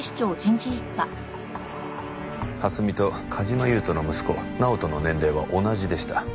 蓮見と梶間優人の息子直人の年齢は同じでした。